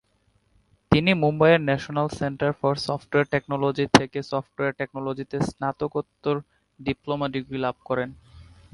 তিনি মুম্বাইয়ের National Centre for Software Technology থেকে সফ্টওয়্যার টেকনোলজিতে স্নাতকোত্তর ডিপ্লোমা ডিগ্রি লাভ করেন।